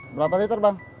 berapa liter bang